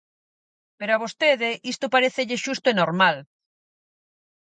Pero a vostede isto parécelle xusto e normal.